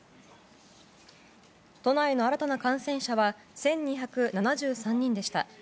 都内の新たな感染者は１２７３人でした。